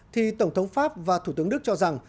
thì tổng thống pháp và thủ tướng đức cho rằng